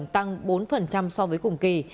tăng bốn so với cùng kỳ